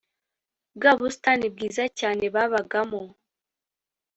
bwa busitani bwiza cyane babagamo.